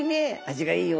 「味がいいよ」。